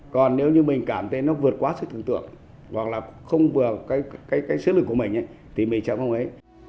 còn nếu như mình cảm thấy nó vượt quá sự tưởng tượng hoặc là không vượt cái sức lực của mình thì mình sẽ không ấy